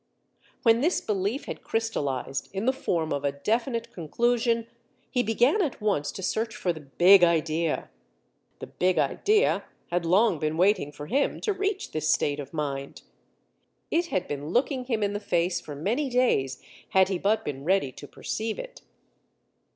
When this belief had crystallized in the form of a definite conclusion, he began at once to search for the "big idea." The "big idea" had long been waiting for him to reach this state of mind. It had been looking him in the face for many days had he but been ready to perceive it.